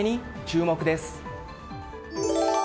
注目です。